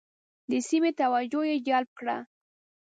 د سیمې توجه یې جلب کړه.